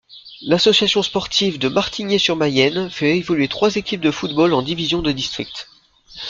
L'Association sportive de Martigné-sur-Mayenne fait évoluer trois équipes de football en divisions de district.